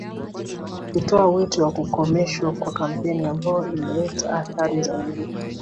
kutoa wito wa kukomeshwa kwa kampeni ambayo imeleta athari zaidi